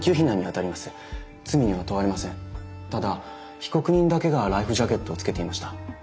ただ被告人だけがライフジャケットを着けていました。